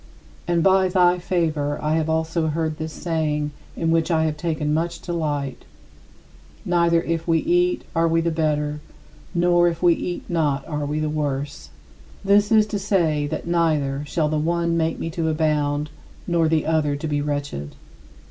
" And by thy favor I have also heard this saying in which I have taken much delight: "Neither if we eat are we the better; nor if we eat not are we the worse." This is to say that neither shall the one make me to abound, nor the other to be wretched.